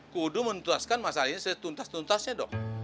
kudu menjelaskan masalah ini setuntas tuntasnya dong